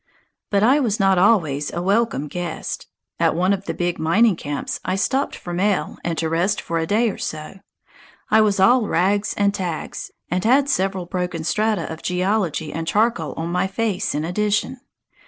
But I was not always a welcome guest. At one of the big mining camps I stopped for mail and to rest for a day or so. I was all "rags and tags," and had several broken strata of geology and charcoal on my face in addition.